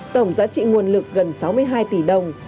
tổng giá trị nguồn lực gần sáu mươi hai tỷ đồng